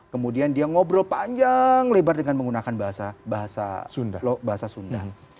kemudian dia ngobrol panjang lebar dengan menggunakan bahasa sunda